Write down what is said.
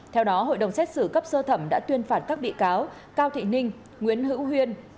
theo đó hội đồng xét xử cấp sơ thẩm đã tuyên phạt các bị cáo cao thị ninh nguyễn hữu huyên